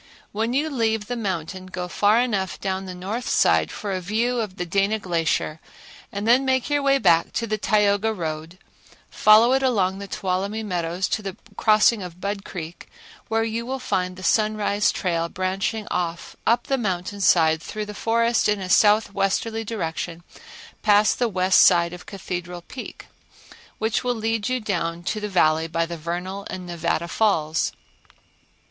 When you leave the mountain go far enough down the north side for a view of the Dana Glacier, then make your way back to the Tioga road, follow it along the Tuolumne Meadows to the crossing of Budd Creek where you will find the Sunrise trail branching off up the mountain side through the forest in a southwesterly direction past the west side of Cathedral Peak, which will lead you down to the Valley by the Vernal and Nevada Falls.